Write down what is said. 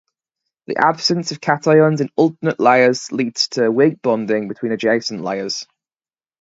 The absence of cations in alternate layers leads to weak bonding between adjacent layers.